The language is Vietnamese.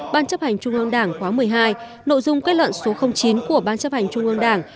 ban chấp hành trung ương đảng khóa một mươi hai nội dung kết luận số chín của ban chấp hành trung ương đảng